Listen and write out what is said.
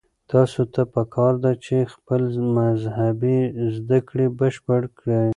تاسو ته پکار ده چې خپلې مذهبي زده کړې بشپړې کړئ.